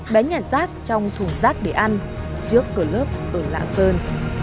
bé nhảy rác trong thùng rác để ăn trước cửa lớp ở lạ sơn